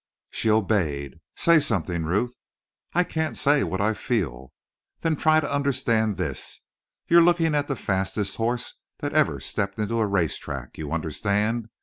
She obeyed. "Say something, Ruth!" "I can't say what I feel!" "Then try to understand this: you're looking at the fastest horse that ever stepped into a race track. You understand?